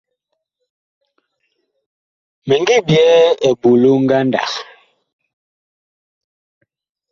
Mi ngi byɛɛ eɓolo ngandag.